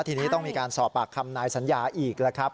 ทีนี้ต้องมีการสอบปากคำนายสัญญาอีกแล้วครับ